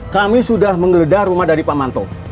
kami sudah menggeledah rumah dari pak manto